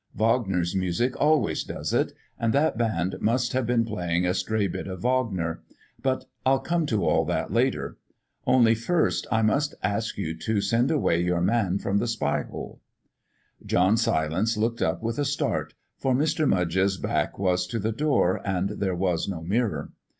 Wagner's music always does it, and that band must have been playing a stray bit of Wagner. But I'll come to all that later. Only, first, I must ask you to send away your man from the spy hole." John Silence looked up with a start, for Mr. Mudge's back was to the door, and there was no mirror.